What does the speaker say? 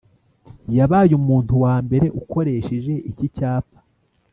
yabaye umuntu wa mbere ukoresheje iki cyapa